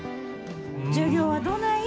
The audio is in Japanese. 授業はどない？